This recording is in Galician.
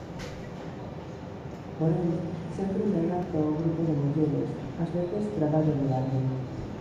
Porén, sempre me adapto ao grupo de mulleres; ás veces traballo de balde.